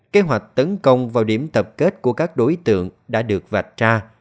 kế hoạch tấn công vào điểm tập kết của các đối tượng đã được vạch ra